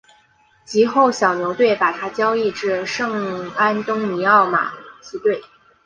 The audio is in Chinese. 及后小牛队把他交易至圣安东尼奥马刺队。